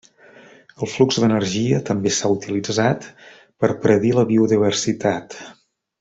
El flux d'energia també s'ha utilitzat per predir la biodiversitat.